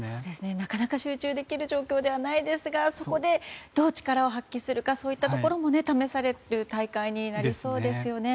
なかなか集中できる状況ではないですがそこで、どう力を発揮するかそういったところも試される大会になりそうですよね。